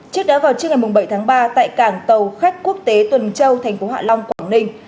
trước đó vào trước ngày bảy tháng ba tại cảng tàu khách quốc tế tuần châu thành phố hạ long quảng ninh